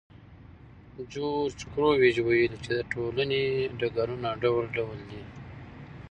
جورج ګوروویچ ویلي چې د ټولنې ډګرونه ډول ډول دي.